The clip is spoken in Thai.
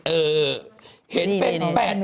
เออเห็นเป็น๘๗๖๗๘๗๖๖๘